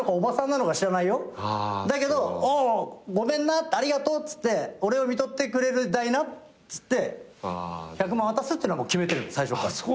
だけどごめんなありがとうっつって俺をみとってくれる代なっつって１００万渡すのは決めてる最初から。